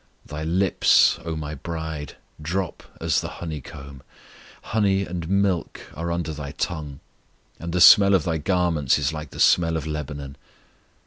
Thy lips, O My bride, drop as the honeycomb: Honey and milk are under thy tongue; And the smell of thy garments is like the smell of Lebanon.